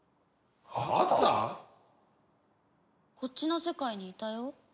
こっちの世界にいたよ。